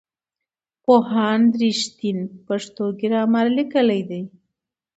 پوهاند رښتین پښتو ګرامر لیکلی دی.